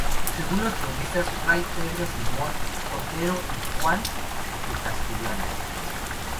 Según los cronistas Fray Pedro Simón, Otero y Juan de Castellanos.